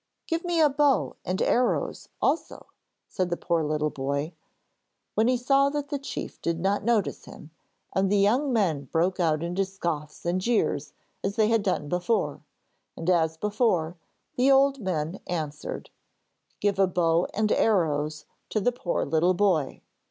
'Give me a bow and arrows also,' said the poor little boy, when he saw that the chief did not notice him, and the young men broke out into scoffs and jeers as they had done before; and as before, the old men answered: 'Give a bow and arrows to the poor little boy.'